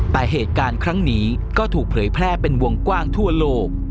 แต่เหตุการณ์ครั้งนี้ก็ถูกเผยแพร่เป็นวงกว้างทั่วโลก